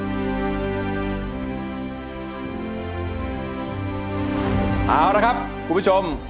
เอาละครับคุณผู้ชม